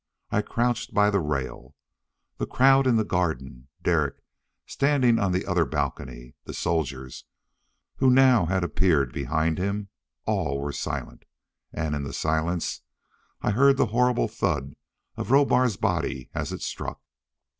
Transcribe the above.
I crouched by the rail. The crowd in the garden; Derek standing on the other balcony; the soldiers who now had appeared behind him all were silent, and in the silence I heard the horrible thud of Rohbar's body as it struck....